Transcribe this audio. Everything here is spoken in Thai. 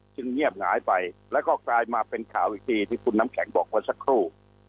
เงียบหงายไปแล้วก็กลายมาเป็นข่าวอีกทีที่คุณน้ำแข็งบอกเมื่อสักครู่